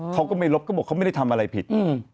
เขาก็ไม่ลบก็บอกเขาไม่ได้ทำอะไรผิด